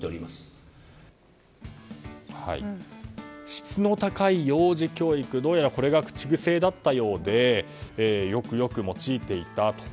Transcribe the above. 質の高い幼児教育どうやらこれが口癖だったようでよくよく用いていたと。